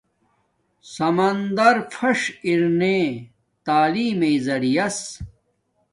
سمندر فش ارنے تعلیم میݵ زریعس